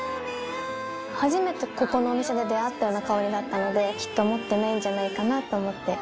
初めてここのお店で出合ったような香りだったのできっと持ってないんじゃないかなと思って。